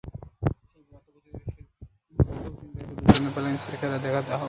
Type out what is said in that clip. সেই বার্তা বুঝে মোদিকেও কিন্তু একটা দুর্দান্ত ব্যালান্সের খেলা দেখাতে হবে।